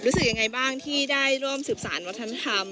รู้สึกยังไงบ้างที่ได้ร่วมสืบสารวัฒนธรรม